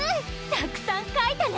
たくさんかいたね